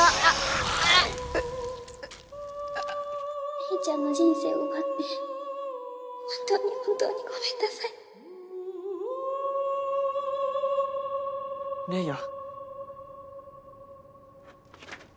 ⁉玲ちゃんの人生を奪って本当に本当にごめんなさい玲矢？